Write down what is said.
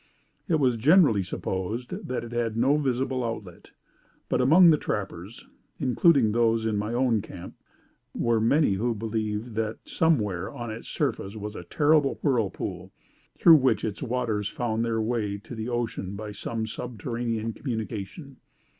It was generally supposed that it had no visible outlet; but, among the trappers, including those in my own camp, were many who believed that somewhere on its surface was a terrible whirlpool, through which its waters found their way to the ocean by some subterranean communication.